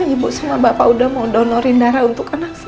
ibu sama bapak udah mau donorin darah untuk anak saya